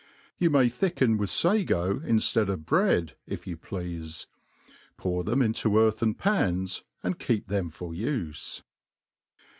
You may thicken with fago inftead of bread, if you pleafe; pour them into earthen pans, and keep them for ufe.